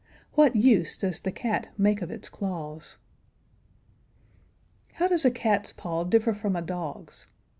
What use does the cat make of its claws? How does a cat's paw differ from a dog's?